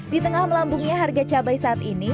di tengah melambungnya harga cabai saat ini